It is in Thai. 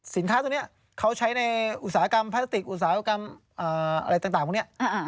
สินค้าตัวนี้เขาใช้ในอุตสาหกรรมพลาสติกอุตสาหกรรมอะไรต่างพวกนี้